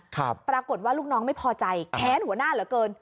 ปรากฏว่าลูกน้องไม่พอใจแค้นหัวหน้าเหลือเกิน